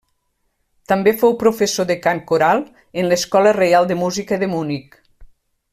També fou professor de cant coral en l'Escola Reial de Música de Munic.